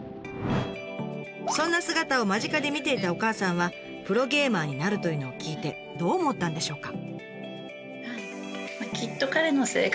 そんな姿を間近で見ていたお母さんはプロゲーマーになるというのを聞いてどう思ったんでしょうか？